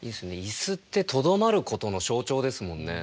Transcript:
椅子ってとどまることの象徴ですもんね。